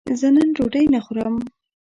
زه نن ډوډی نه خورم